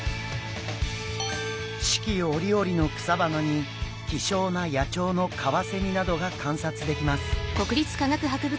四季折々の草花に希少な野鳥のカワセミなどが観察できます。